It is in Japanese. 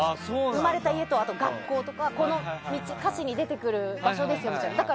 生まれた家と学校とか歌詞に出てくる場所ですよとか。